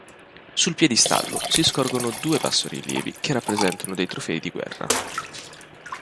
Sul piedistallo si scorgono due bassorilievi che rappresentano dei trofei di guerra.